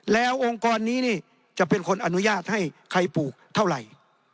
แล้วองค์กรนี้นี่จะเป็นคนอนุญาตให้ใครปลูกเท่าไหร่